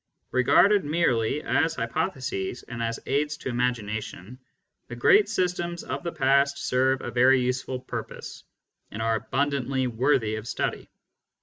Regarded merely as hypotheses and as aids to imagination, the great systems of the past serve a very useful purpose, and are abundantly worthy of study.